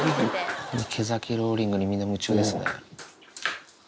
池崎ローリングにみんな夢中ですね。